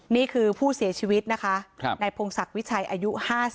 นี่คือผู้เสียชีวิตนะคะนายพงศักดิ์วิชัยอายุ๕๐